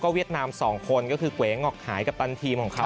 เวียดนาม๒คนก็คือเกวงออกหายกัปตันทีมของเขา